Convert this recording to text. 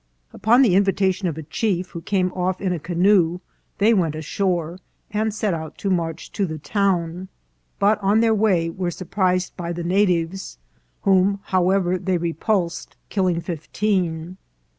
Upon the invitation of a chief, who came off ACCOUNT OF BERNAL DIAZ. 445 in a canoe, they went ashore, and set out to march to the town, but on their way were surprised by the na tives, whom, however, they repulsed, killing fifteen.